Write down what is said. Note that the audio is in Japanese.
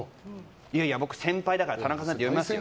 いやいや僕、先輩だから田中さんって呼びますよ。